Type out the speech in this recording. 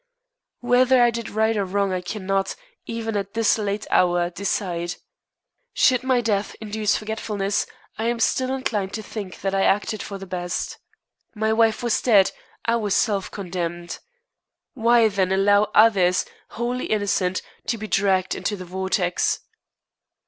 Whether I did right or wrong I cannot, even at this late hour, decide. Should my death induce forgetfulness, I am still inclined to think that I acted for the best. My wife was dead; I was self condemned. Why, then, allow others, wholly innocent, to be dragged into the vortex?